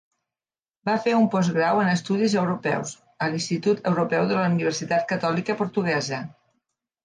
Va fer un postgrau en Estudis Europeus, a l'Institut Europeu de la Universitat Catòlica Portuguesa.